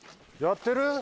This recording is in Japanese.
やってる？